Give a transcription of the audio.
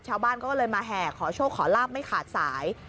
ชาวบ้านก็เลยมาแห่ขอโชคขอลาบไม่ขาดสาย